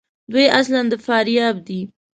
دوی اصلاُ د فاریاب دي.